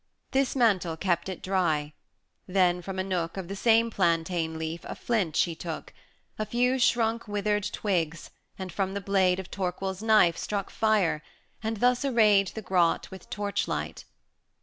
140 This mantle kept it dry; then from a nook Of the same plantain leaf a flint she took, A few shrunk withered twigs, and from the blade Of Torquil's knife struck fire, and thus arrayed The grot with torchlight.